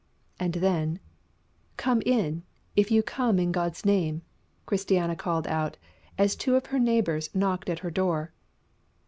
And then: "Come in, if you come in God's name!" Christiana called out, as two of her neighbours knocked at her door.